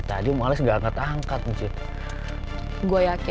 jadi ini paling ke mereka lah jangan ke aku